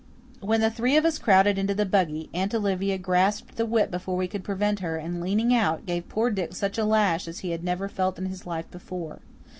When the three of us crowded into the buggy, Aunt Olivia grasped the whip before we could prevent her and, leaning out, gave poor Dick such a lash as he had never felt in his life before.